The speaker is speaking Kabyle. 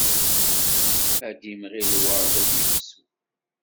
Ad d-imɣi lweṛd ad yefsu.